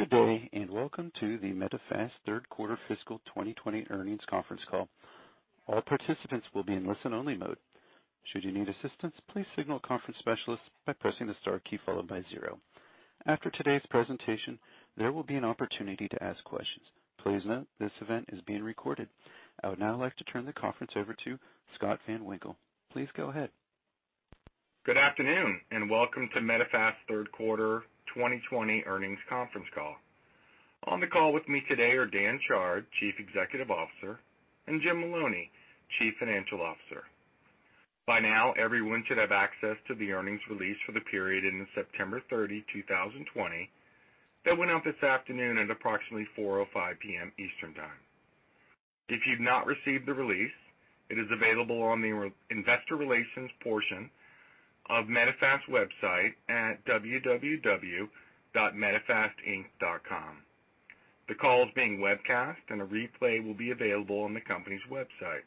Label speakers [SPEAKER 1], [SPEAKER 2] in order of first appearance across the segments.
[SPEAKER 1] Good day, and welcome to the Medifast Third Quarter Fiscal 2020 Earnings Conference Call. All participants will be in listen-only mode. Should you need assistance, please signal a conference specialist by pressing the star key followed by zero. After today's presentation, there will be an opportunity to ask questions. Please note, this event is being recorded. I would now like to turn the conference over to Scott Van Winkle. Please go ahead.
[SPEAKER 2] Good afternoon, and welcome to Medifast Third Quarter 2020 Earnings Conference Call. On the call with me today are Dan Chard, Chief Executive Officer, and Jim Maloney, Chief Financial Officer. By now, everyone should have access to the earnings release for the period ending September 30, 2020, that went out this afternoon at approximately 4:05 P.M. Eastern Time. If you've not received the release, it is available on the Investor Relations portion of Medifast's website at www.medifastinc.com. The call is being webcast, and a replay will be available on the company's website.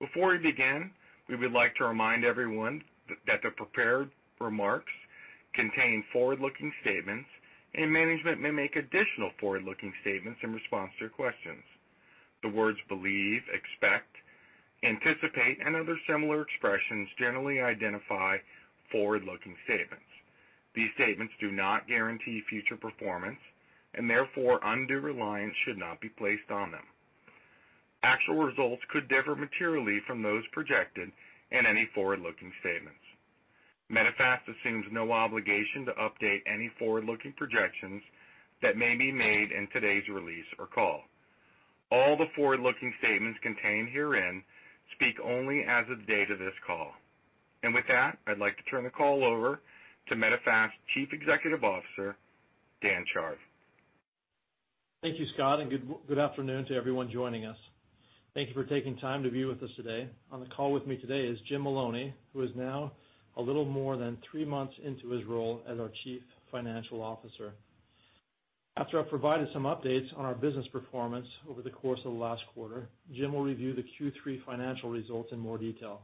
[SPEAKER 2] Before we begin, we would like to remind everyone that the prepared remarks contain forward-looking statements, and management may make additional forward-looking statements in response to your questions. The words believe, expect, anticipate, and other similar expressions generally identify forward-looking statements. These statements do not guarantee future performance, and therefore, undue reliance should not be placed on them. Actual results could differ materially from those projected in any forward-looking statements. Medifast assumes no obligation to update any forward-looking projections that may be made in today's release or call. All the forward-looking statements contained herein speak only as of the date of this call, and with that, I'd like to turn the call over to Medifast Chief Executive Officer, Dan Chard.
[SPEAKER 3] Thank you, Scott, and good afternoon to everyone joining us. Thank you for taking time to be with us today. On the call with me today is Jim Maloney, who is now a little more than three months into his role as our Chief Financial Officer. After I've provided some updates on our business performance over the course of the last quarter, Jim will review the Q3 financial results in more detail.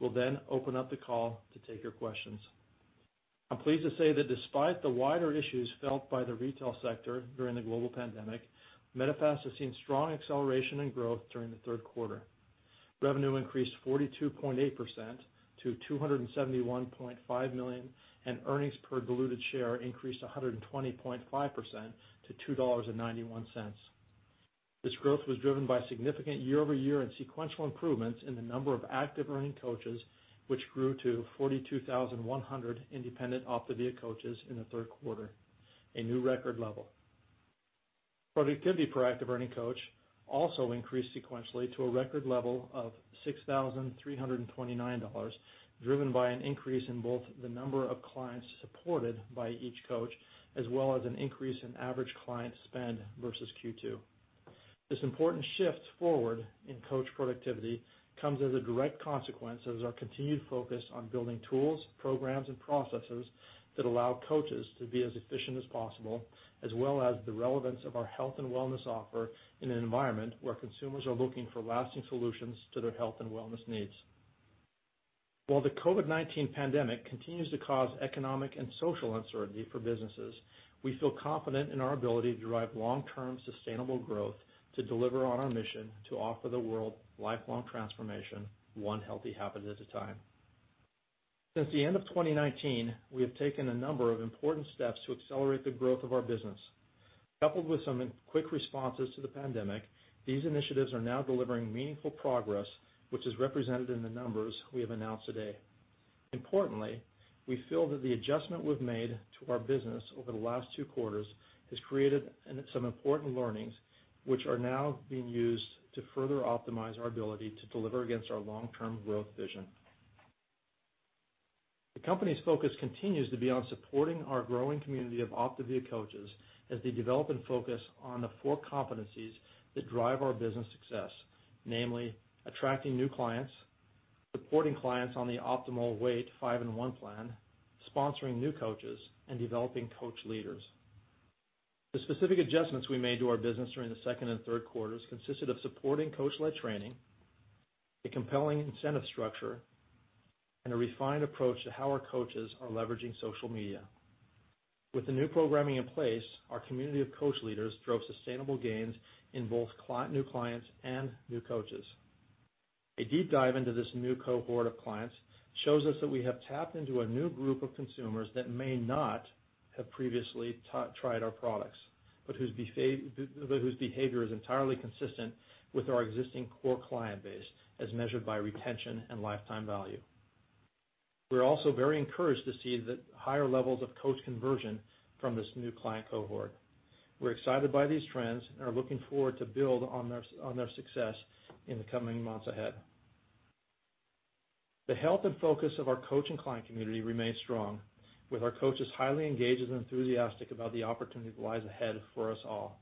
[SPEAKER 3] We'll then open up the call to take your questions. I'm pleased to say that despite the wider issues felt by the retail sector during the global pandemic, Medifast has seen strong acceleration in growth during the third quarter. Revenue increased 42.8% to $271.5 million, and earnings per diluted share increased 120.5% to $2.91. This growth was driven by significant year-over-year and sequential improvements in the number of active earning coaches, which grew to 42,100 independent OPTAVIA coaches in the third quarter, a new record level. Productivity per active earning coach also increased sequentially to a record level of $6,329, driven by an increase in both the number of clients supported by each coach, as well as an increase in average client spend versus Q2. This important shift forward in coach productivity comes as a direct consequence of our continued focus on building tools, programs, and processes that allow coaches to be as efficient as possible, as well as the relevance of our health and wellness offer in an environment where consumers are looking for lasting solutions to their health and wellness needs. While the COVID-19 pandemic continues to cause economic and social uncertainty for businesses, we feel confident in our ability to drive long-term sustainable growth to deliver on our mission to offer the world lifelong transformation, one healthy habit at a time. Since the end of 2019, we have taken a number of important steps to accelerate the growth of our business. Coupled with some quick responses to the pandemic, these initiatives are now delivering meaningful progress, which is represented in the numbers we have announced today. Importantly, we feel that the adjustment we've made to our business over the last two quarters has created some important learnings, which are now being used to further optimize our ability to deliver against our long-term growth vision. The company's focus continues to be on supporting our growing community of OPTAVIA coaches as they develop and focus on the four competencies that drive our business success, namely attracting new clients, supporting clients on the Optimal Weight 5 & 1 Plan, sponsoring new coaches, and developing coach leaders. The specific adjustments we made to our business during the second and third quarters consisted of supporting coach-led training, a compelling incentive structure, and a refined approach to how our coaches are leveraging social media. With the new programming in place, our community of coach leaders drove sustainable gains in both new clients and new coaches. A deep dive into this new cohort of clients shows us that we have tapped into a new group of consumers that may not have previously tried our products, but whose behavior is entirely consistent with our existing core client base, as measured by retention and lifetime value. We're also very encouraged to see the higher levels of coach conversion from this new client cohort. We're excited by these trends and are looking forward to building on their success in the coming months ahead. The health and focus of our coach and client community remains strong, with our coaches highly engaged and enthusiastic about the opportunity that lies ahead for us all.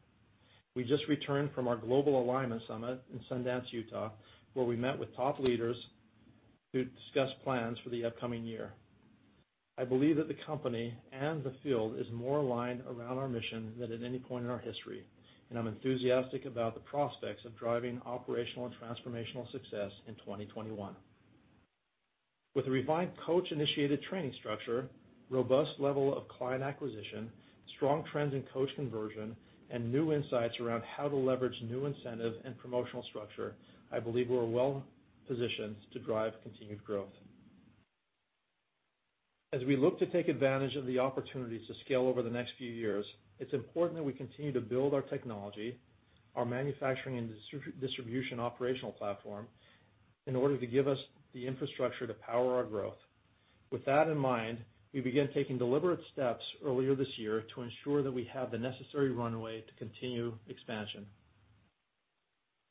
[SPEAKER 3] We just returned from our Global Alignment Summit in Sundance, Utah, where we met with top leaders to discuss plans for the upcoming year. I believe that the company and the field are more aligned around our mission than at any point in our history, and I'm enthusiastic about the prospects of driving operational and transformational success in 2021. With a refined coach-initiated training structure, a robust level of client acquisition, strong trends in coach conversion, and new insights around how to leverage new incentives and promotional structure, I believe we're well positioned to drive continued growth. As we look to take advantage of the opportunities to scale over the next few years, it's important that we continue to build our technology, our manufacturing and distribution operational platform, in order to give us the infrastructure to power our growth. With that in mind, we began taking deliberate steps earlier this year to ensure that we have the necessary runway to continue expansion.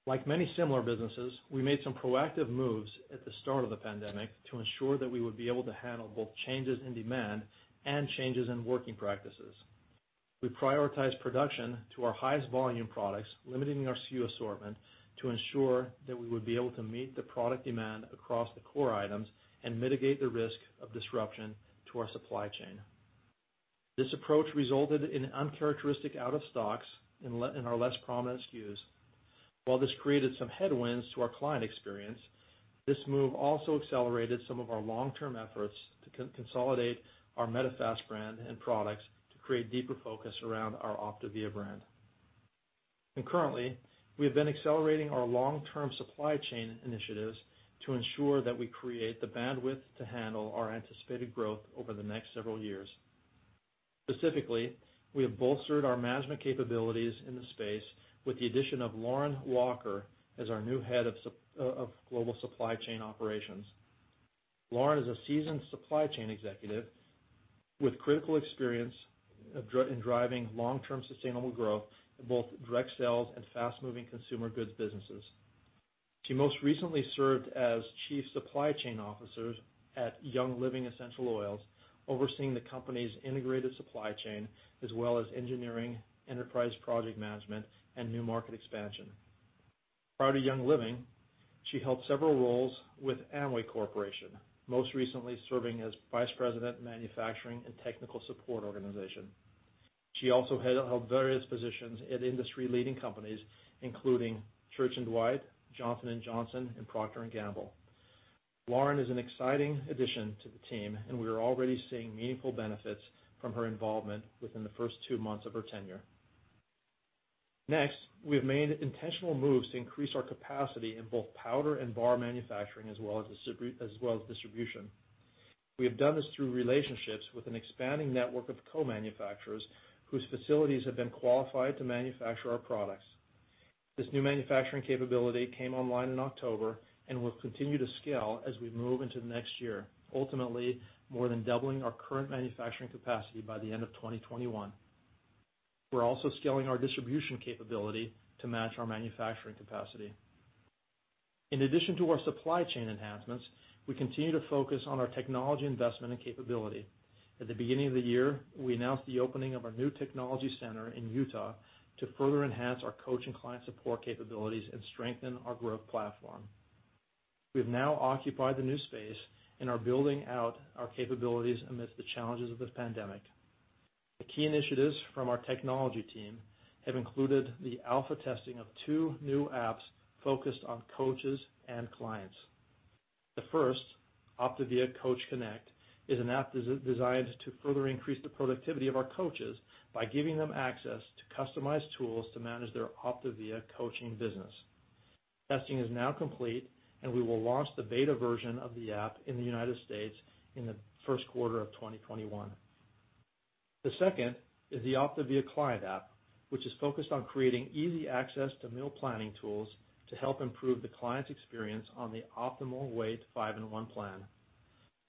[SPEAKER 3] Like many similar businesses, we made some proactive moves at the start of the pandemic to ensure that we would be able to handle both changes in demand and changes in working practices. We prioritized production to our highest volume products, limiting our SKU assortment to ensure that we would be able to meet the product demand across the core items and mitigate the risk of disruption to our supply chain. This approach resulted in uncharacteristic out-of-stocks and in our less prominent SKUs. While this created some headwinds to our client experience, this move also accelerated some of our long-term efforts to consolidate our Medifast brand and products to create deeper focus around our OPTAVIA brand, and currently, we have been accelerating our long-term supply chain initiatives to ensure that we create the bandwidth to handle our anticipated growth over the next several years. Specifically, we have bolstered our management capabilities in the space with the addition of Lauren Walker as our new head of global supply chain operations. Lauren is a seasoned supply chain executive with critical experience in driving long-term sustainable growth in both direct sales and fast-moving consumer goods businesses. She most recently served as Chief Supply Chain Officer at Young Living Essential Oils, overseeing the company's integrated supply chain, as well as engineering, enterprise project management, and new market expansion. Prior to Young Living, she held several roles with Amway Corporation, most recently serving as Vice President of Manufacturing and Technical Support Organization. She also held various positions at industry-leading companies, including Church & Dwight, Johnson & Johnson, and Procter & Gamble. Lauren is an exciting addition to the team, and we are already seeing meaningful benefits from her involvement within the first two months of her tenure. Next, we have made intentional moves to increase our capacity in both powder and bar manufacturing, as well as distribution. We have done this through relationships with an expanding network of co-manufacturers whose facilities have been qualified to manufacture our products. This new manufacturing capability came online in October and will continue to scale as we move into the next year, ultimately more than doubling our current manufacturing capacity by the end of 2021. We're also scaling our distribution capability to match our manufacturing capacity. In addition to our supply chain enhancements, we continue to focus on our technology investment and capability. At the beginning of the year, we announced the opening of our new technology center in Utah to further enhance our coach and client support capabilities and strengthen our growth platform. We have now occupied the new space and are building out our capabilities amidst the challenges of the pandemic. The key initiatives from our technology team have included the alpha testing of two new apps focused on coaches and clients. The first, OPTAVIA Coach Connect, is an app designed to further increase the productivity of our coaches by giving them access to customized tools to manage their OPTAVIA coaching business. Testing is now complete, and we will launch the beta version of the app in the United States in the first quarter of 2021. The second is the OPTAVIA Client App, which is focused on creating easy access to meal planning tools to help improve the client's experience on the Optimal Weight 5 & 1 Plan.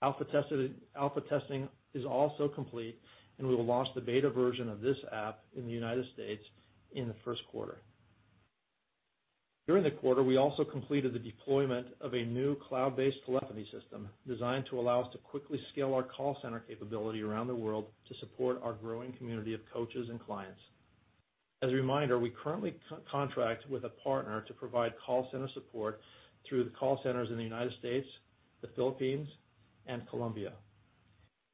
[SPEAKER 3] Alpha testing is also complete, and we will launch the beta version of this app in the United States in the first quarter. During the quarter, we also completed the deployment of a new cloud-based telephony system designed to allow us to quickly scale our call center capability around the world to support our growing community of coaches and clients. As a reminder, we currently contract with a partner to provide call center support through the call centers in the United States, the Philippines, and Colombia.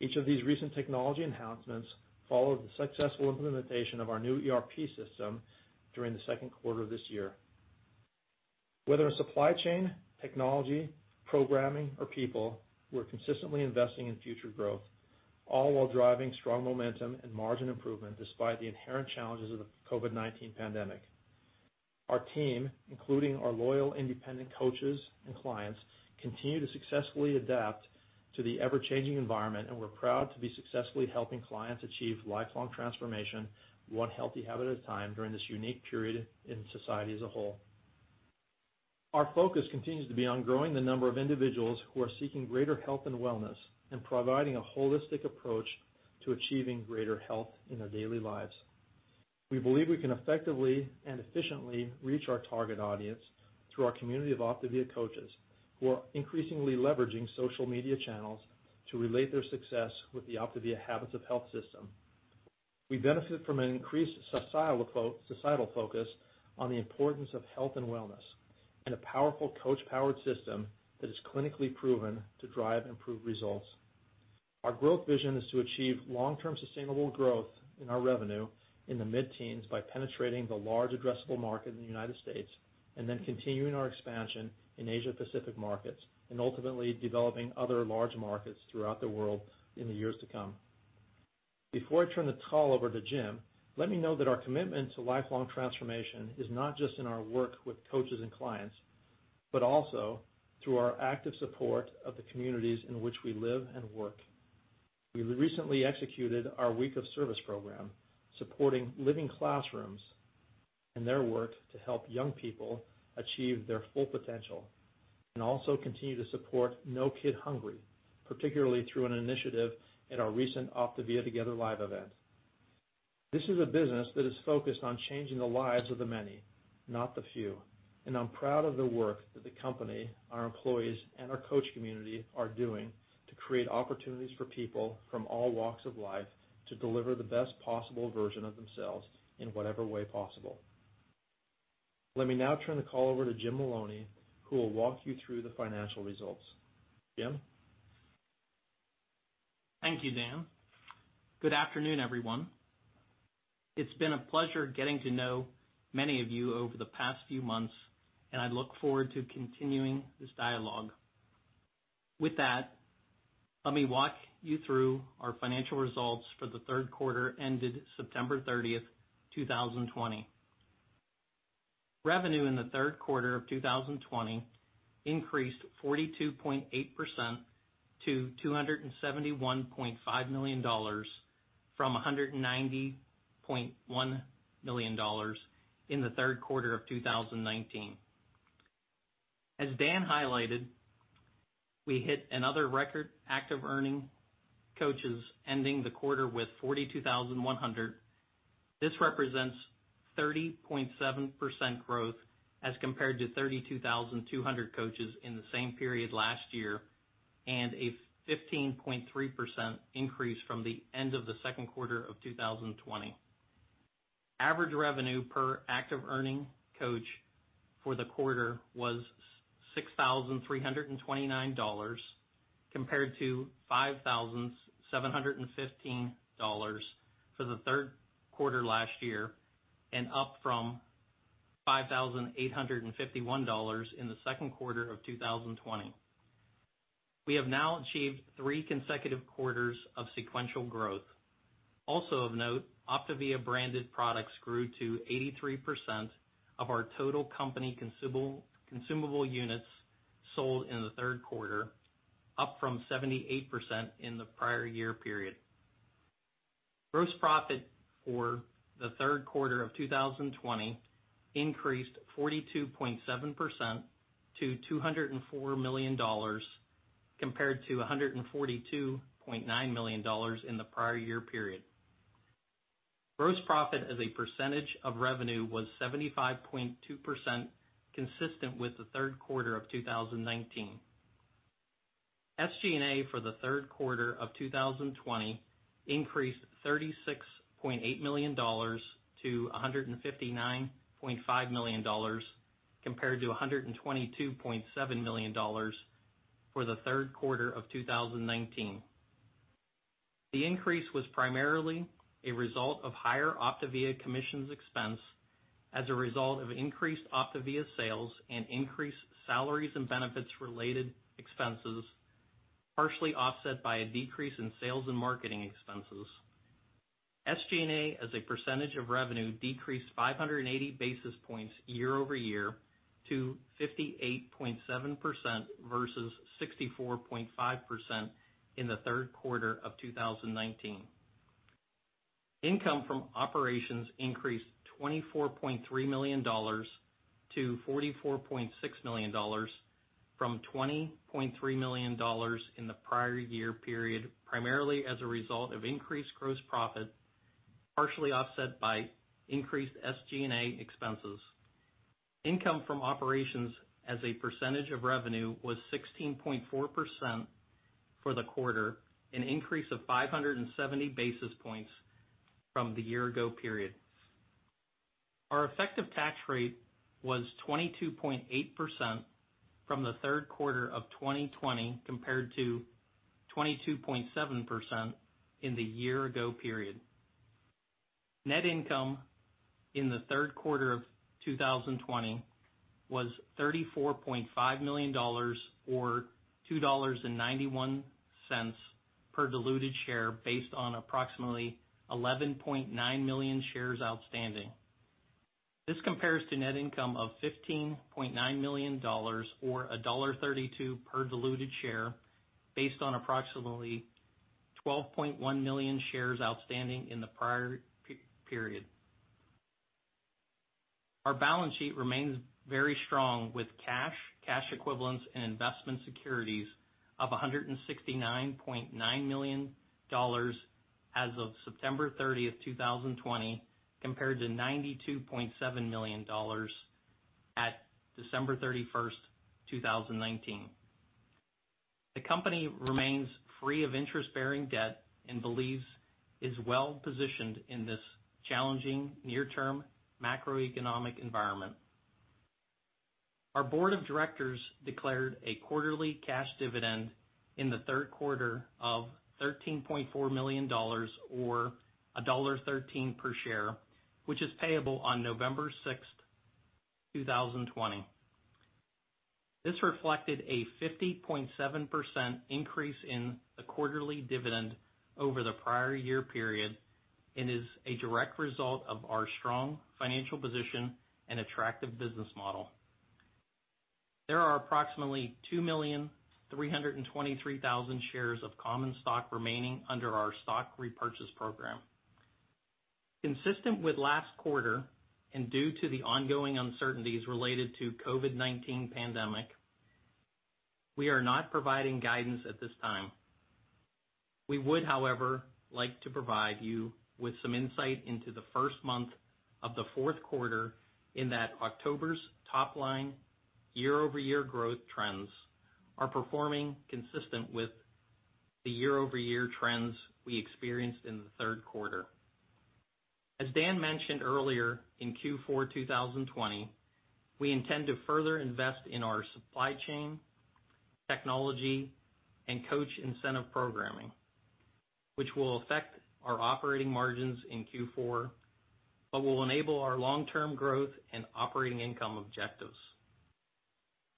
[SPEAKER 3] Each of these recent technology enhancements followed the successful implementation of our new ERP system during the second quarter of this year. Whether in supply chain, technology, programming, or people, we're consistently investing in future growth, all while driving strong momentum and margin improvement despite the inherent challenges of the COVID-19 pandemic. Our team, including our loyal independent coaches and clients, continue to successfully adapt to the ever-changing environment, and we're proud to be successfully helping clients achieve lifelong transformation, one healthy habit at a time during this unique period in society as a whole. Our focus continues to be on growing the number of individuals who are seeking greater health and wellness and providing a holistic approach to achieving greater health in their daily lives. We believe we can effectively and efficiently reach our target audience through our community of OPTAVIA coaches, who are increasingly leveraging social media channels to relate their success with the OPTAVIA Habits of Health system. We benefit from an increased societal focus on the importance of health and wellness and a powerful coach-powered system that is clinically proven to drive improved results. Our growth vision is to achieve long-term sustainable growth in our revenue in the mid-teens by penetrating the large addressable market in the United States and then continuing our expansion in Asia-Pacific markets and ultimately developing other large markets throughout the world in the years to come. Before I turn the call over to Jim, let me know that our commitment to lifelong transformation is not just in our work with coaches and clients, but also through our active support of the communities in which we live and work. We recently executed our Week of Service program, supporting Living Classrooms and their work to help young people achieve their full potential and also continue to support No Kid Hungry, particularly through an initiative at our recent OPTAVIA Together Live event. This is a business that is focused on changing the lives of the many, not the few, and I'm proud of the work that the company, our employees, and our coach community are doing to create opportunities for people from all walks of life to deliver the best possible version of themselves in whatever way possible. Let me now turn the call over to Jim Maloney, who will walk you through the financial results. Jim?
[SPEAKER 4] Thank you, Dan. Good afternoon, everyone. It's been a pleasure getting to know many of you over the past few months, and I look forward to continuing this dialogue. With that, let me walk you through our financial results for the third quarter ended September 30th, 2020. Revenue in the third quarter of 2020 increased 42.8% to $271.5 million from $190.1 million in the third quarter of 2019. As Dan highlighted, we hit another record active earning coaches ending the quarter with 42,100. This represents 30.7% growth as compared to 32,200 coaches in the same period last year and a 15.3% increase from the end of the second quarter of 2020. Average revenue per active earning coach for the quarter was $6,329 compared to $5,715 for the third quarter last year and up from $5,851 in the second quarter of 2020. We have now achieved three consecutive quarters of sequential growth. Also of note, OPTAVIA branded products grew to 83% of our total company consumable units sold in the third quarter, up from 78% in the prior year period. Gross profit for the third quarter of 2020 increased 42.7% to $204 million compared to $142.9 million in the prior year period. Gross profit as a percentage of revenue was 75.2%, consistent with the third quarter of 2019. SG&A for the third quarter of 2020 increased $36.8 million to $159.5 million compared to $122.7 million for the third quarter of 2019. The increase was primarily a result of higher OPTAVIA commissions expense as a result of increased OPTAVIA sales and increased salaries and benefits-related expenses, partially offset by a decrease in sales and marketing expenses. SG&A as a percentage of revenue decreased 580 basis points year over year to 58.7% versus 64.5% in the third quarter of 2019. Income from operations increased $24.3 million to $44.6 million from $20.3 million in the prior year period, primarily as a result of increased gross profit, partially offset by increased SG&A expenses. Income from operations as a percentage of revenue was 16.4% for the quarter, an increase of 570 basis points from the year-ago period. Our effective tax rate was 22.8% from the third quarter of 2020 compared to 22.7% in the year-ago period. Net income in the third quarter of 2020 was $34.5 million or $2.91 per diluted share based on approximately 11.9 million shares outstanding. This compares to net income of $15.9 million or $1.32 per diluted share based on approximately 12.1 million shares outstanding in the prior period. Our balance sheet remains very strong with cash, cash equivalents, and investment securities of $169.9 million as of September 30th, 2020, compared to $92.7 million at December 31st, 2019. The company remains free of interest-bearing debt and believes it is well-positioned in this challenging near-term macroeconomic environment. Our board of directors declared a quarterly cash dividend in the third quarter of $13.4 million or $1.13 per share, which is payable on November 6th, 2020. This reflected a 50.7% increase in the quarterly dividend over the prior year period and is a direct result of our strong financial position and attractive business model. There are approximately 2,323,000 shares of common stock remaining under our stock repurchase program. Consistent with last quarter and due to the ongoing uncertainties related to the COVID-19 pandemic, we are not providing guidance at this time. We would, however, like to provide you with some insight into the first month of the fourth quarter, in that October's top line year-over-year growth trends are performing consistent with the year-over-year trends we experienced in the third quarter. As Dan mentioned earlier in Q4 2020, we intend to further invest in our supply chain, technology, and coach incentive programming, which will affect our operating margins in Q4 but will enable our long-term growth and operating income objectives.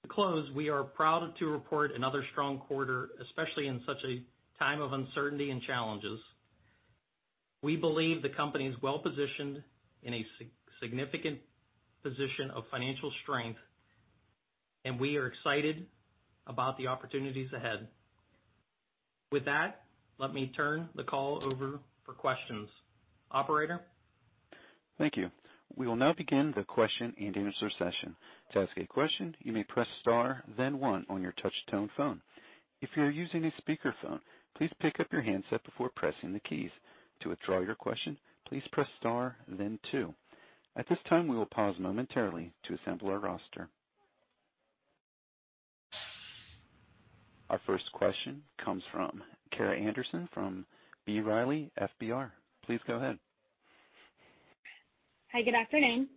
[SPEAKER 4] To close, we are proud to report another strong quarter, especially in such a time of uncertainty and challenges. We believe the company is well-positioned in a significant position of financial strength, and we are excited about the opportunities ahead. With that, let me turn the call over for questions. Operator?
[SPEAKER 1] Thank you. We will now begin the question and answer session. To ask a question, you may press star, then one, on your touch-tone phone. If you're using a speakerphone, please pick up your handset before pressing the keys. To withdraw your question, please press star, then two. At this time, we will pause momentarily to assemble our roster. Our first question comes from Kara Anderson from B. Riley FBR. Please go ahead.
[SPEAKER 5] Hi. Good afternoon.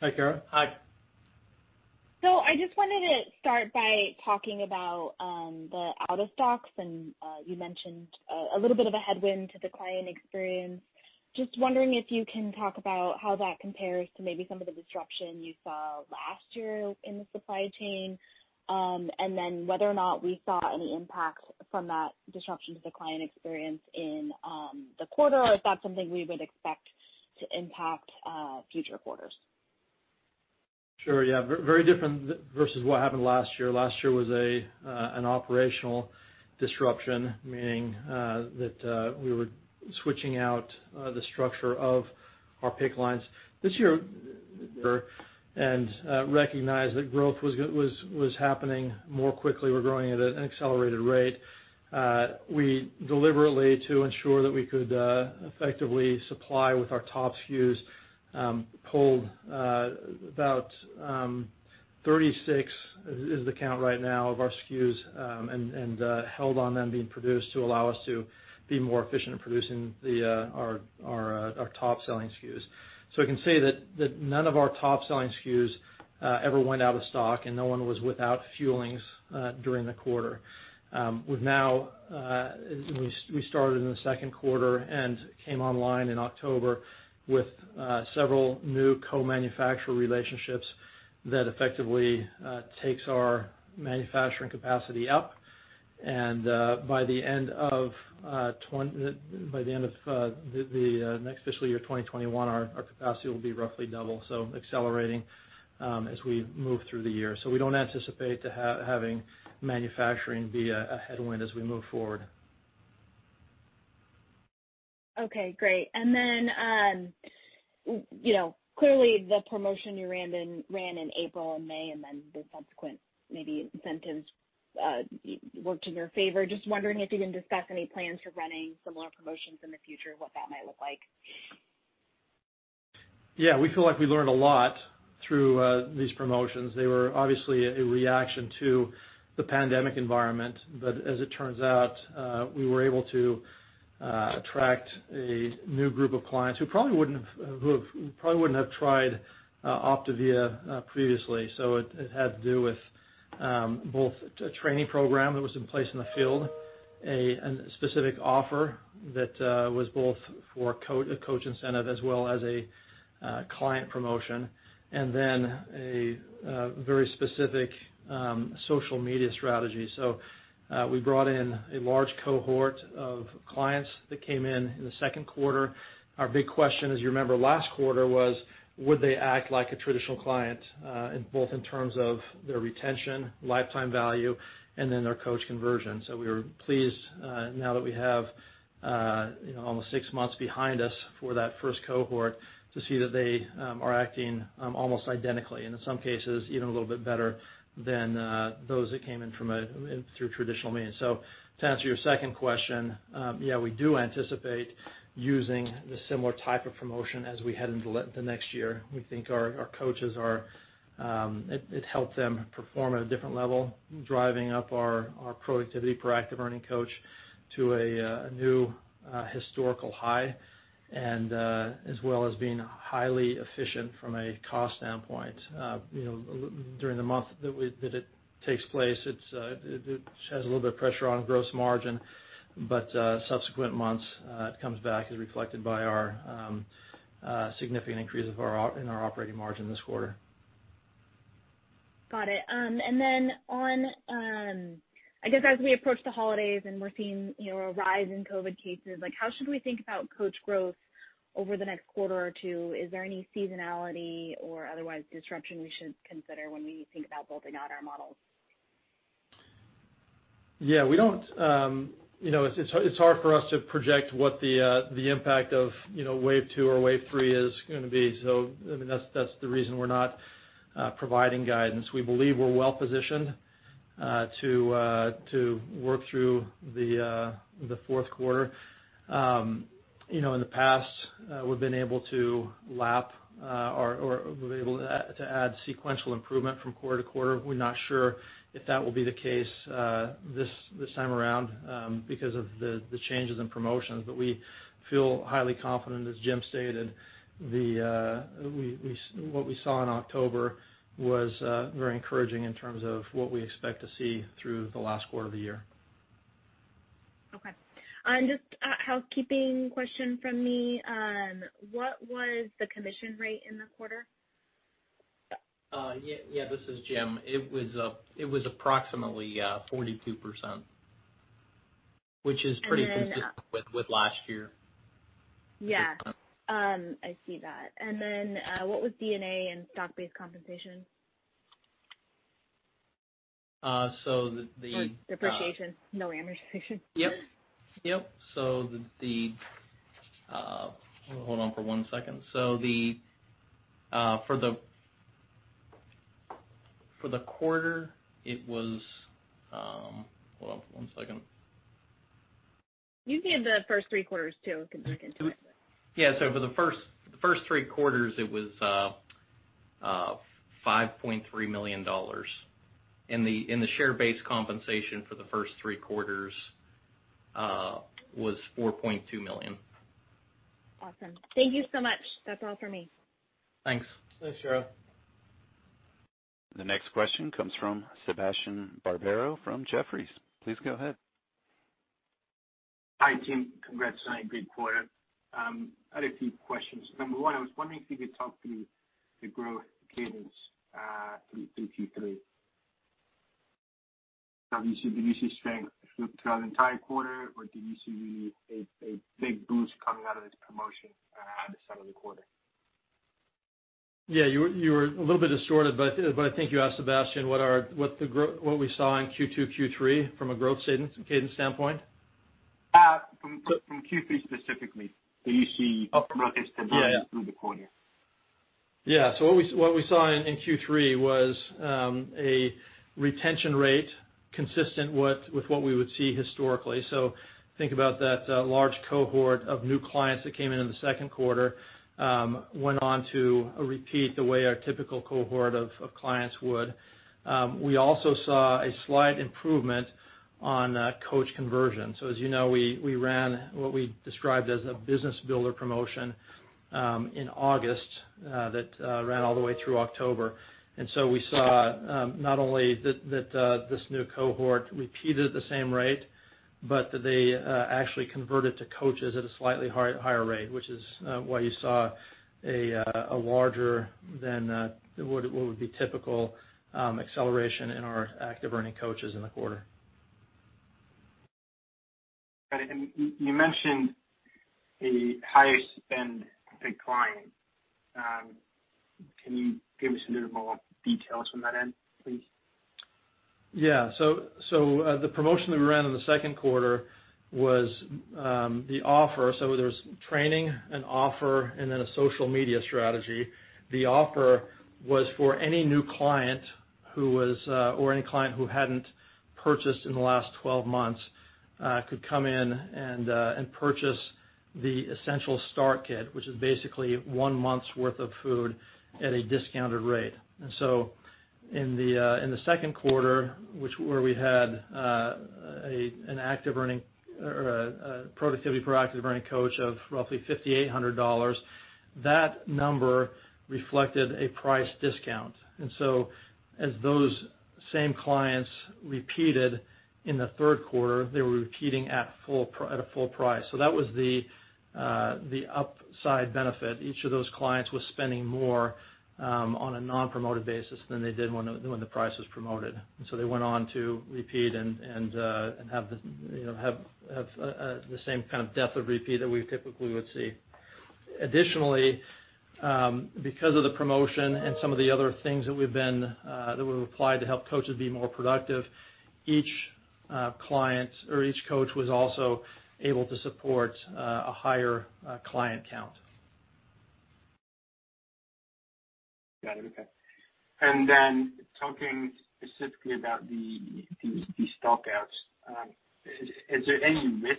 [SPEAKER 3] Hi, Kara.
[SPEAKER 4] Hi.
[SPEAKER 5] So, I just wanted to start by talking about the out-of-stocks, and you mentioned a little bit of a headwind to the client experience. Just wondering if you can talk about how that compares to maybe some of the disruption you saw last year in the supply chain, and then whether or not we saw any impact from that disruption to the client experience in the quarter, or if that's something we would expect to impact future quarters?
[SPEAKER 3] Sure. Yeah. Very different versus what happened last year. Last year was an operational disruption, meaning that we were switching out the structure of our pick lines. This year, and recognized that growth was happening more quickly. We're growing at an accelerated rate. We deliberately, to ensure that we could effectively supply with our top SKUs, pulled about 36, is the count right now, of our SKUs and held on them being produced to allow us to be more efficient in producing our top-selling SKUs. So I can say that none of our top-selling SKUs ever went out of stock, and no one was without Fuelings during the quarter. We started in the second quarter and came online in October with several new co-manufacturer relationships that effectively takes our manufacturing capacity up. By the end of the next fiscal year 2021, our capacity will be roughly double, so accelerating as we move through the year. We don't anticipate having manufacturing be a headwind as we move forward.
[SPEAKER 5] Okay. Great. And then clearly, the promotion you ran in April and May and then the subsequent maybe incentives worked in your favor. Just wondering if you can discuss any plans for running similar promotions in the future, what that might look like?
[SPEAKER 3] Yeah. We feel like we learned a lot through these promotions. They were obviously a reaction to the pandemic environment, but as it turns out, we were able to attract a new group of clients who probably wouldn't have tried OPTAVIA previously. So it had to do with both a training program that was in place in the field, a specific offer that was both for a coach incentive as well as a client promotion, and then a very specific social media strategy. So we brought in a large cohort of clients that came in in the second quarter. Our big question, as you remember last quarter, was, would they act like a traditional client both in terms of their retention, lifetime value, and then their coach conversion? So we were pleased now that we have almost six months behind us for that first cohort to see that they are acting almost identically and in some cases even a little bit better than those that came in through traditional means. So to answer your second question, yeah, we do anticipate using the similar type of promotion as we head into the next year. We think it helped our coaches perform at a different level, driving up our productivity per active earning coach to a new historical high, as well as being highly efficient from a cost standpoint. During the month that it takes place, it has a little bit of pressure on gross margin, but subsequent months it comes back as reflected by our significant increase in our operating margin this quarter.
[SPEAKER 5] Got it. And then on, I guess, as we approach the holidays and we're seeing a rise in COVID cases, how should we think about coach growth over the next quarter or two? Is there any seasonality or otherwise disruption we should consider when we think about building out our models?
[SPEAKER 3] Yeah. It's hard for us to project what the impact of wave two or wave three is going to be. So I mean, that's the reason we're not providing guidance. We believe we're well-positioned to work through the fourth quarter. In the past, we've been able to lap or we've been able to add sequential improvement from quarter to quarter. We're not sure if that will be the case this time around because of the changes in promotions, but we feel highly confident, as Jim stated, what we saw in October was very encouraging in terms of what we expect to see through the last quarter of the year.
[SPEAKER 5] Okay. And just a housekeeping question from me. What was the commission rate in the quarter?
[SPEAKER 4] Yeah. This is Jim. It was approximately 42%, which is pretty consistent with last year.
[SPEAKER 5] Yeah. I see that. And then what was D&A and stock-based compensation?
[SPEAKER 4] So the.
[SPEAKER 5] The depreciation. No amortization.
[SPEAKER 4] Yep. Yep. So, hold on for one second. For the quarter, it was hold on for one second.
[SPEAKER 5] You can give the first three quarters too because we can do it.
[SPEAKER 4] Yeah. So for the first three quarters, it was $5.3 million, and the share-based compensation for the first three quarters was $4.2 million.
[SPEAKER 5] Awesome. Thank you so much. That's all for me.
[SPEAKER 4] Thanks.
[SPEAKER 3] Thanks, Kara.
[SPEAKER 1] The next question comes from Sebastian Barbero from Jefferies. Please go ahead.
[SPEAKER 6] Hi, Jim. Congrats on a great quarter. I had a few questions. Number one, I was wondering if you could talk through the growth cadence through Q3. Did you see strength throughout the entire quarter, or did you see really a big boost coming out of this promotion at the start of the quarter?
[SPEAKER 3] Yeah. You were a little bit distorted, but I think you asked Sebastian what we saw in Q2, Q3 from a growth cadence standpoint.
[SPEAKER 6] From Q3 specifically, did you see growth through the quarter?
[SPEAKER 3] Yeah. So what we saw in Q3 was a retention rate consistent with what we would see historically. So think about that large cohort of new clients that came in in the second quarter, went on to repeat the way our typical cohort of clients would. We also saw a slight improvement on coach conversion. So as you know, we ran what we described as a business builder promotion in August that ran all the way through October. And so we saw not only that this new cohort repeated at the same rate, but that they actually converted to coaches at a slightly higher rate, which is why you saw a larger than what would be typical acceleration in our active earning coaches in the quarter.
[SPEAKER 6] Got it. And you mentioned a higher spend per client. Can you give us a little more details from that end, please?
[SPEAKER 3] Yeah. So the promotion that we ran in the second quarter was the offer. So there was training, an offer, and then a social media strategy. The offer was for any new client who was or any client who hadn't purchased in the last 12 months could come in and purchase the Essential Start Kit, which is basically one month's worth of food at a discounted rate. And so in the second quarter, where we had an active earning or a productivity per active earning coach of roughly $5,800, that number reflected a price discount. And so as those same clients repeated in the third quarter, they were repeating at a full price. So that was the upside benefit. Each of those clients was spending more on a non-promoted basis than they did when the price was promoted. And so they went on to repeat and have the same kind of depth of repeat that we typically would see. Additionally, because of the promotion and some of the other things that we've applied to help coaches be more productive, each client or each coach was also able to support a higher client count.
[SPEAKER 6] Got it. Okay. And then talking specifically about the stock outs, is there any risk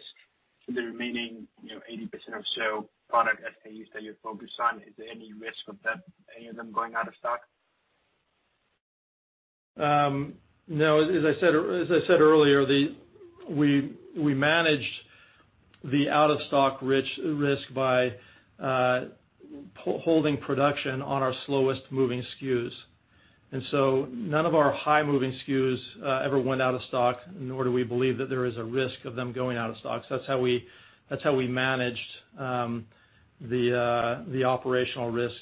[SPEAKER 6] to the remaining 80% or so product SKUs that you're focused on? Is there any risk of any of them going out of stock?
[SPEAKER 3] No. As I said earlier, we managed the out-of-stock risk by holding production on our slowest moving SKUs, and so none of our high-moving SKUs ever went out of stock, nor do we believe that there is a risk of them going out of stock, so that's how we managed the operational risks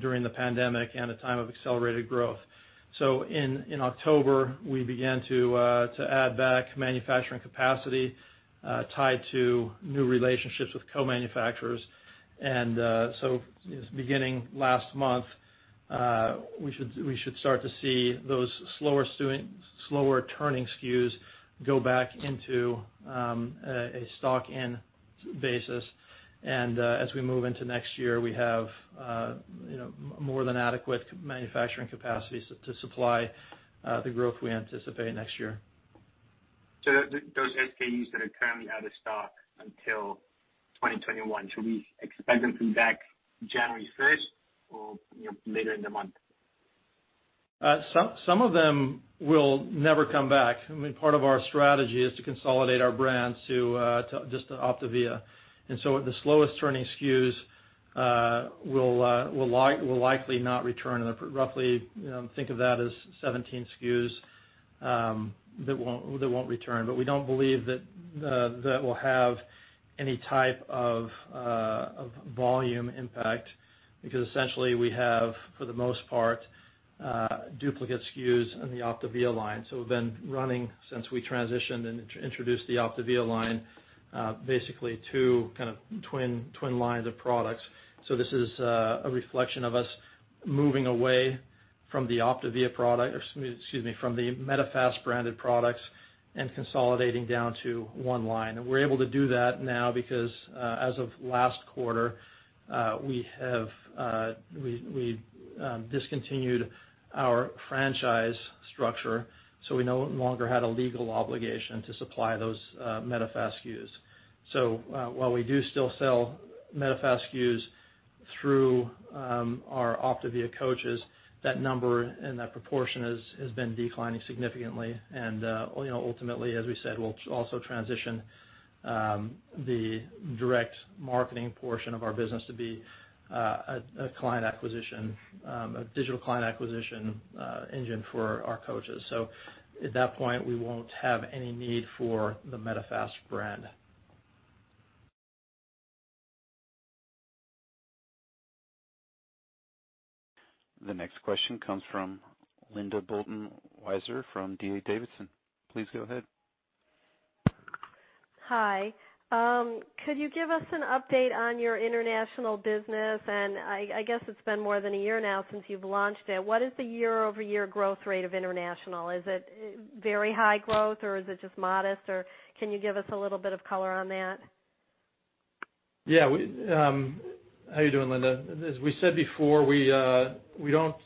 [SPEAKER 3] during the pandemic and a time of accelerated growth, so in October, we began to add back manufacturing capacity tied to new relationships with co-manufacturers, and so beginning last month, we should start to see those slower turning SKUs go back into a stock-in basis, and as we move into next year, we have more than adequate manufacturing capacity to supply the growth we anticipate next year.
[SPEAKER 6] Those SKUs that are currently out of stock until 2021, should we expect them to be back January 1st or later in the month?
[SPEAKER 3] Some of them will never come back. I mean, part of our strategy is to consolidate our brand just to OPTAVIA. And so the slowest turning SKUs will likely not return. Roughly, think of that as 17 SKUs that won't return. But we don't believe that that will have any type of volume impact because essentially we have, for the most part, duplicate SKUs in the OPTAVIA line. So we've been running since we transitioned and introduced the OPTAVIA line, basically two kind of twin lines of products. So this is a reflection of us moving away from the Medifast branded products and consolidating down to one line. And we're able to do that now because as of last quarter, we discontinued our franchise structure. So we no longer had a legal obligation to supply those Medifast SKUs. So while we do still sell Medifast SKUs through our OPTAVIA coaches, that number and that proportion has been declining significantly. And ultimately, as we said, we'll also transition the direct marketing portion of our business to be a client acquisition, a digital client acquisition engine for our coaches. So at that point, we won't have any need for the Medifast brand.
[SPEAKER 1] The next question comes from Linda Bolton Weiser from D.A. Davidson. Please go ahead.
[SPEAKER 7] Hi. Could you give us an update on your international business? And I guess it's been more than a year now since you've launched it. What is the year-over-year growth rate of international? Is it very high growth, or is it just modest? Or can you give us a little bit of color on that?
[SPEAKER 3] Yeah. How are you doing, Linda? As we said before, we don't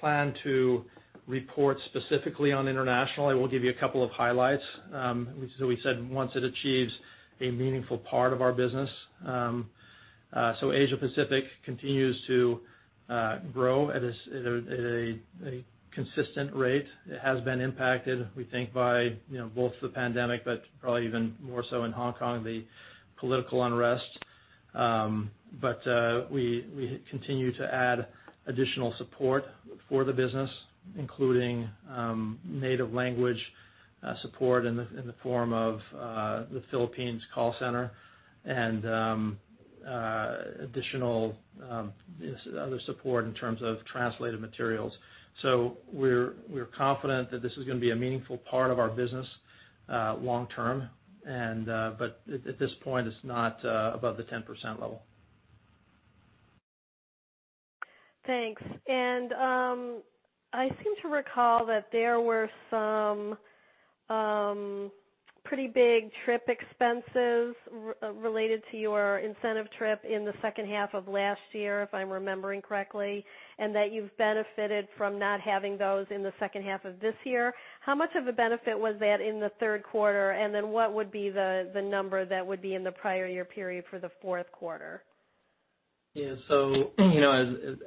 [SPEAKER 3] plan to report specifically on international. I will give you a couple of highlights. So we said once it achieves a meaningful part of our business. So Asia-Pacific continues to grow at a consistent rate. It has been impacted, we think, by both the pandemic, but probably even more so in Hong Kong, the political unrest. But we continue to add additional support for the business, including native language support in the form of the Philippines call center and additional other support in terms of translated materials. So we're confident that this is going to be a meaningful part of our business long term. But at this point, it's not above the 10% level.
[SPEAKER 7] Thanks. And I seem to recall that there were some pretty big trip expenses related to your incentive trip in the second half of last year, if I'm remembering correctly, and that you've benefited from not having those in the second half of this year. How much of a benefit was that in the third quarter? And then what would be the number that would be in the prior year period for the fourth quarter?
[SPEAKER 4] Yeah. So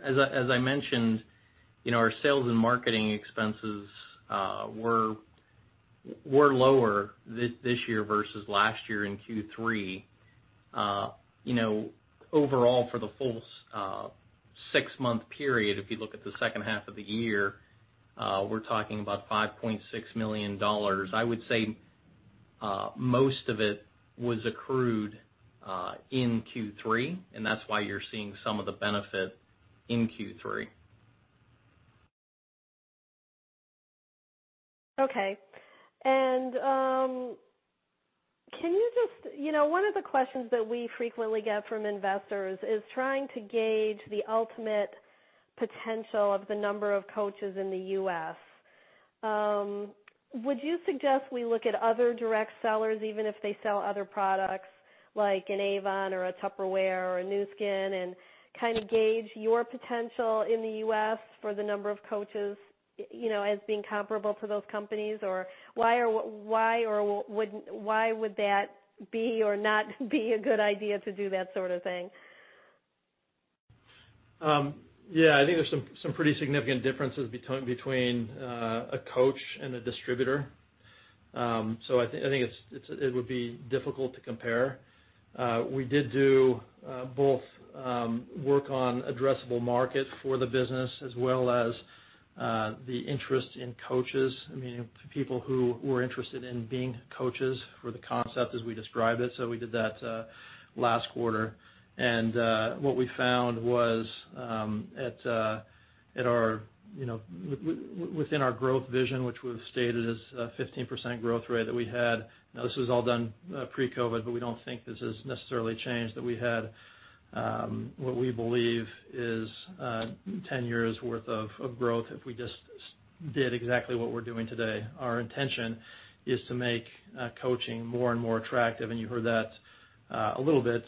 [SPEAKER 4] as I mentioned, our sales and marketing expenses were lower this year versus last year in Q3. Overall, for the full six-month period, if you look at the second half of the year, we're talking about $5.6 million. I would say most of it was accrued in Q3, and that's why you're seeing some of the benefit in Q3.
[SPEAKER 7] Okay. And one of the questions that we frequently get from investors is trying to gauge the ultimate potential of the number of coaches in the U.S. Would you suggest we look at other direct sellers, even if they sell other products like an Avon or a Tupperware or a Nu Skin, and kind of gauge your potential in the U.S. for the number of coaches as being comparable to those companies? Or why would that be or not be a good idea to do that sort of thing?
[SPEAKER 3] Yeah. I think there's some pretty significant differences between a coach and a distributor. So I think it would be difficult to compare. We did do both work on addressable market for the business as well as the interest in coaches, meaning people who were interested in being coaches for the concept as we described it. So we did that last quarter. And what we found was within our growth vision, which we've stated as a 15% growth rate that we had. Now, this was all done pre-COVID, but we don't think this has necessarily changed that we had what we believe is 10 years' worth of growth if we just did exactly what we're doing today. Our intention is to make coaching more and more attractive. And you heard that a little bit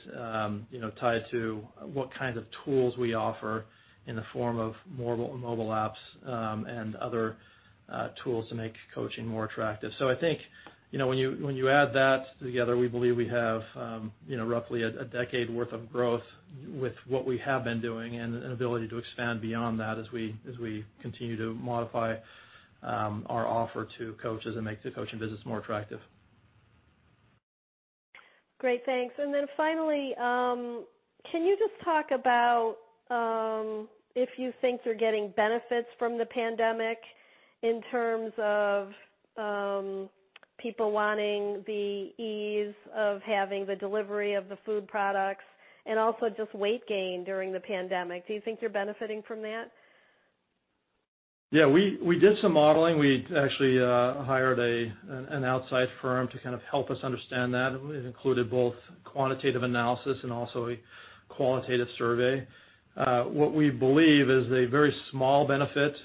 [SPEAKER 3] tied to what kinds of tools we offer in the form of mobile apps and other tools to make coaching more attractive. So I think when you add that together, we believe we have roughly a decade's worth of growth with what we have been doing and an ability to expand beyond that as we continue to modify our offer to coaches and make the coaching business more attractive.
[SPEAKER 7] Great. Thanks. And then finally, can you just talk about if you think you're getting benefits from the pandemic in terms of people wanting the ease of having the delivery of the food products and also just weight gain during the pandemic? Do you think you're benefiting from that?
[SPEAKER 3] Yeah. We did some modeling. We actually hired an outside firm to kind of help us understand that. It included both quantitative analysis and also a qualitative survey. What we believe is a very small benefit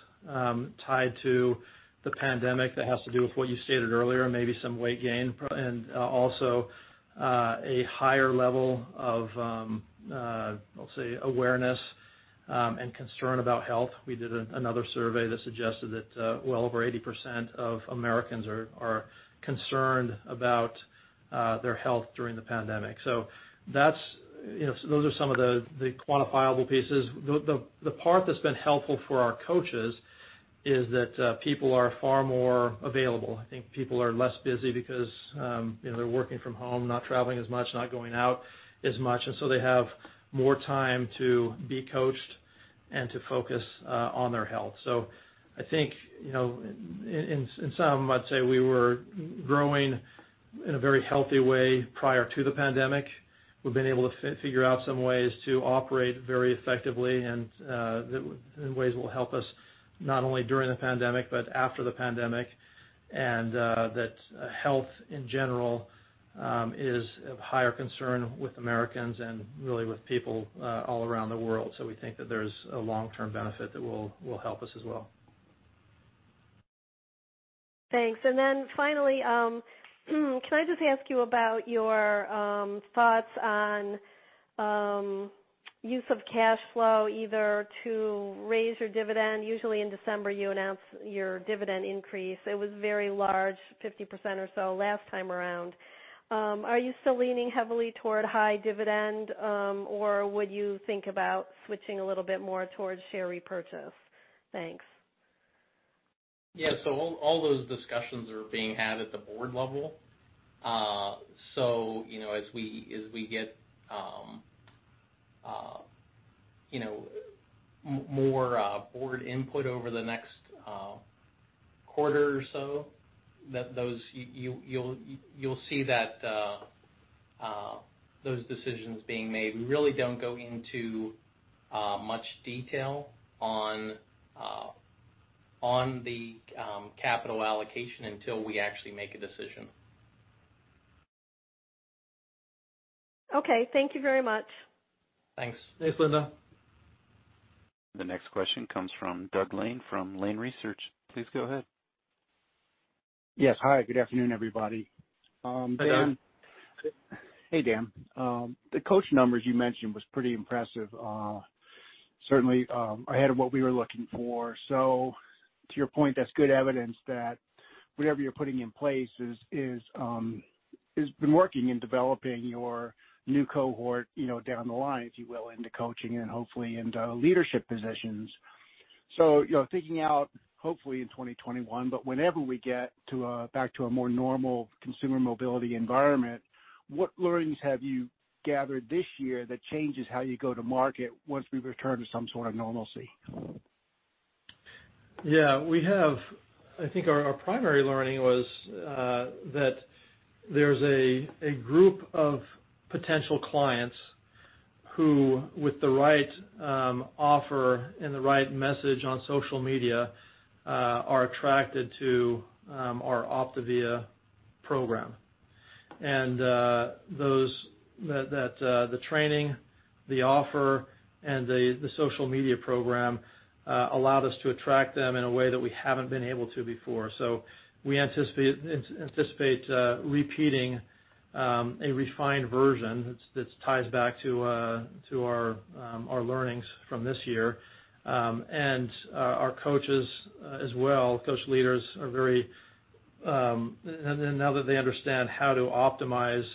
[SPEAKER 3] tied to the pandemic that has to do with what you stated earlier, maybe some weight gain and also a higher level of, let's say, awareness and concern about health. We did another survey that suggested that well over 80% of Americans are concerned about their health during the pandemic. So those are some of the quantifiable pieces. The part that's been helpful for our coaches is that people are far more available. I think people are less busy because they're working from home, not traveling as much, not going out as much. And so they have more time to be coached and to focus on their health. I think in some, I'd say we were growing in a very healthy way prior to the pandemic. We've been able to figure out some ways to operate very effectively and in ways that will help us not only during the pandemic but after the pandemic and that health in general is of higher concern with Americans and really with people all around the world. We think that there's a long-term benefit that will help us as well.
[SPEAKER 7] Thanks. And then finally, can I just ask you about your thoughts on use of cash flow either to raise your dividend? Usually in December, you announce your dividend increase. It was very large, 50% or so last time around. Are you still leaning heavily toward high dividend, or would you think about switching a little bit more towards share repurchase? Thanks.
[SPEAKER 6] Yeah. So all those discussions are being had at the board level. So as we get more board input over the next quarter or so, you'll see that those decisions being made. We really don't go into much detail on the capital allocation until we actually make a decision.
[SPEAKER 7] Okay. Thank you very much.
[SPEAKER 6] Thanks.
[SPEAKER 3] Thanks, Linda.
[SPEAKER 1] The next question comes from Doug Lane from Lane Research. Please go ahead.
[SPEAKER 8] Yes. Hi. Good afternoon, everybody.
[SPEAKER 4] Hey, Dan.
[SPEAKER 8] Hey, Dan. The coach numbers you mentioned were pretty impressive. Certainly, ahead of what we were looking for. So to your point, that's good evidence that whatever you're putting in place has been working in developing your new cohort down the line, if you will, into coaching and hopefully into leadership positions. So thinking out hopefully in 2021, but whenever we get back to a more normal consumer mobility environment, what learnings have you gathered this year that changes how you go to market once we return to some sort of normalcy?
[SPEAKER 3] Yeah. I think our primary learning was that there's a group of potential clients who, with the right offer and the right message on social media, are attracted to our OPTAVIA program. And the training, the offer, and the social media program allowed us to attract them in a way that we haven't been able to before. So we anticipate repeating a refined version that ties back to our learnings from this year. And our coaches as well, coach leaders, are very now that they understand how to optimize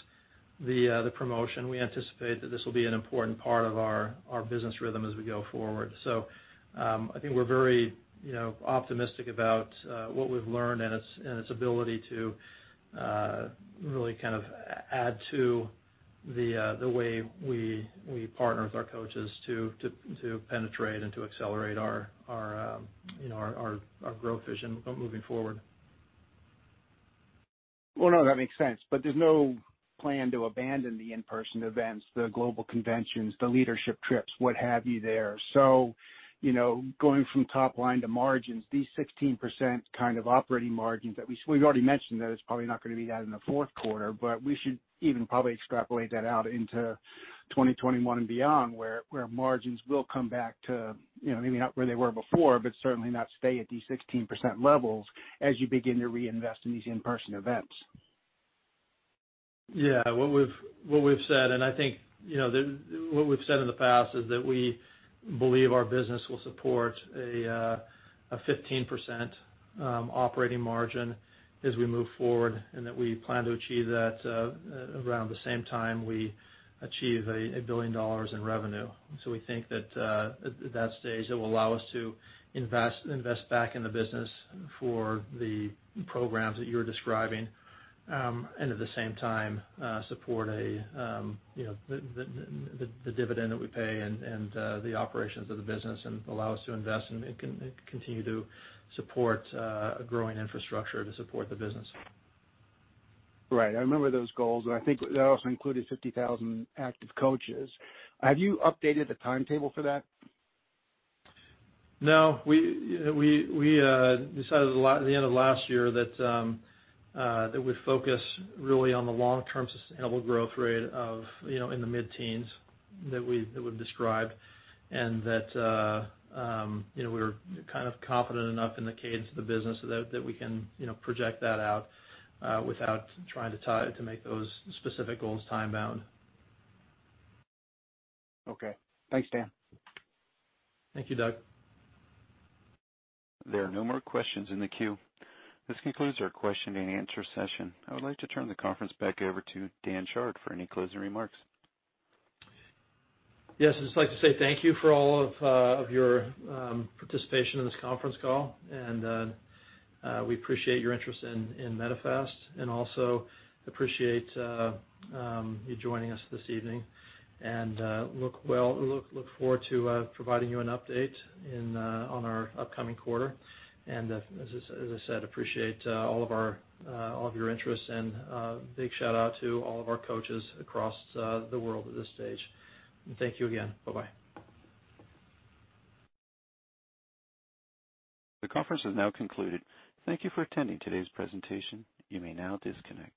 [SPEAKER 3] the promotion. We anticipate that this will be an important part of our business rhythm as we go forward. So I think we're very optimistic about what we've learned and its ability to really kind of add to the way we partner with our coaches to penetrate and to accelerate our growth vision moving forward.
[SPEAKER 8] Well, no, that makes sense. But there's no plan to abandon the in-person events, the global conventions, the leadership trips, what have you there. So going from top line to margins, these 16% kind of operating margins that we've already mentioned that it's probably not going to be that in the fourth quarter, but we should even probably extrapolate that out into 2021 and beyond where margins will come back to maybe not where they were before, but certainly not stay at these 16% levels as you begin to reinvest in these in-person events.
[SPEAKER 3] Yeah. What we've said, and I think what we've said in the past is that we believe our business will support a 15% operating margin as we move forward and that we plan to achieve that around the same time we achieve $1 billion in revenue. So we think that at that stage, it will allow us to invest back in the business for the programs that you're describing and at the same time support the dividend that we pay and the operations of the business and allow us to invest and continue to support a growing infrastructure to support the business.
[SPEAKER 8] Right. I remember those goals, and I think that also included 50,000 active coaches. Have you updated the timetable for that?
[SPEAKER 3] No. We decided at the end of last year that we focus really on the long-term sustainable growth rate in the mid-teens that we've described and that we're kind of confident enough in the cadence of the business that we can project that out without trying to make those specific goals time-bound.
[SPEAKER 8] Okay. Thanks, Dan.
[SPEAKER 3] Thank you, Doug. There are no more questions in the queue. This concludes our question and answer session. I would like to turn the conference back over to Dan Chard for any closing remarks.
[SPEAKER 4] Yes. I'd just like to say thank you for all of your participation in this conference call, and we appreciate your interest in Medifast and also appreciate you joining us this evening, and look forward to providing you an update on our upcoming quarter, and as I said, appreciate all of your interest and a big shout-out to all of our coaches across the world at this stage, and thank you again. Bye-bye.
[SPEAKER 3] The conference has now concluded. Thank you for attending today's presentation. You may now disconnect.